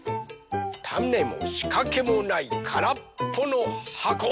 たねもしかけもないからっぽのはこ。